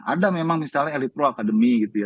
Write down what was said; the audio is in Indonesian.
ada memang misalnya elit pro academy gitu ya